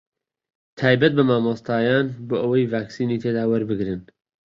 تایبەت بە مامۆستایان بۆ ئەوەی ڤاکسینی تێدا وەربگرن